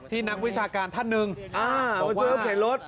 ที่นักวิชาการท่านหนึ่งมาช่วยเข้าเข็นรถ